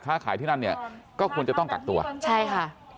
ค้าขายที่นั่นเนี่ยก็ควรจะต้องกักตัวใช่ค่ะ